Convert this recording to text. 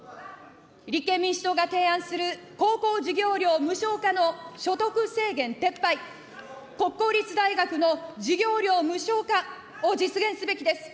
立憲民主党が提案する高校授業料無償化の所得制限撤廃、国公立大学の授業料無償化を実現すべきです。